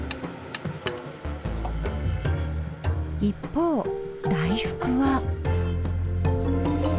一方大福は。